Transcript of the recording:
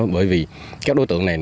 bởi vì các đối tượng này